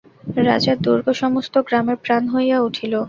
রাজার দুর্গ সমস্ত গ্রামের প্রাণ হইয়া উঠিল।